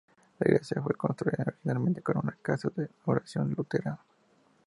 La iglesia fue construida originalmente como una casa de oración luterana.